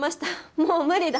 もう無理だ。